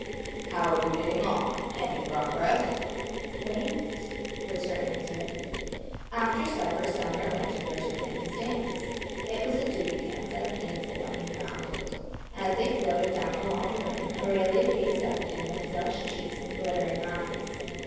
"How are you getting on? Any progress?" "Wait," was her answer. After supper Sumner went to her to claim his dance. It was a duty dance and a painful one he found it. As they floated down the long room, Aurelia gazed up at him with flushed cheeks and glittering eyes.